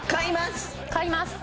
買います！